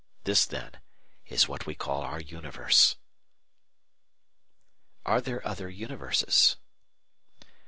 This, then is what we call our universe. Are there other Universes?